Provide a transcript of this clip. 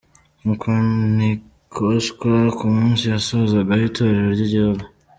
Makonikoshwa ku munsi yasozagaho itorero ry'igihugu.